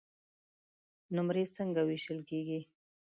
نمرې څنګه وېشل کیږي؟